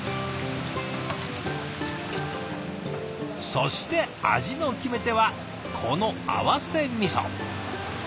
そして味の決め手はこの合わせみそ。